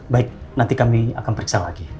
baik nanti kami akan periksa lagi